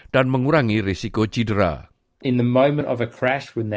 dan mengurangi risiko cedera